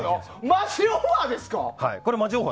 マジオファーです。